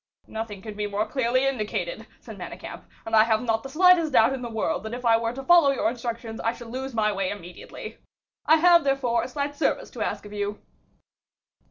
"Nothing could be more clearly indicated," said Manicamp; "and I have not the slightest doubt in the world that if I were to follow your directions, I should lose my way immediately. I have, therefore, a slight service to ask of you."